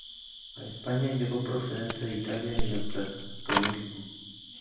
A España llegó procedente de Italia el neoplatonismo.